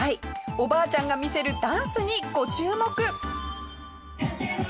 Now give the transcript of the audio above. おばあちゃんが見せるダンスにご注目！